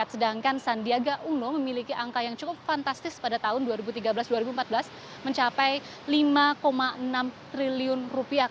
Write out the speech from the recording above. sedangkan sandiaga uno memiliki angka yang cukup fantastis pada tahun dua ribu tiga belas dua ribu empat belas mencapai lima enam triliun rupiah